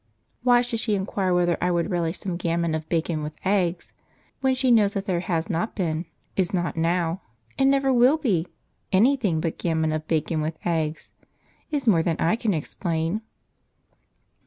Why she should inquire whether I would relish some gammon of bacon with eggs, when she knows that there has not been, is not now, and never will be, anything but gammon of bacon with eggs, is more than I can explain.